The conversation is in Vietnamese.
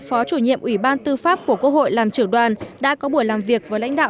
phó chủ nhiệm ủy ban tư pháp của quốc hội làm trưởng đoàn đã có buổi làm việc với lãnh đạo